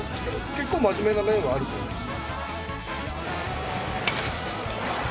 結構真面目な面はあると思います。